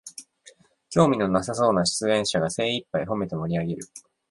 興味のなさそうな出演者が精いっぱいほめて盛りあげる